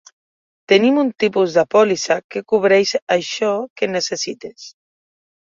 Tenim un tipus de pòlissa que cobreix això que necessites.